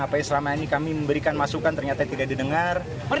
apa yang selama ini kami memberikan masukan ternyata tidak didengar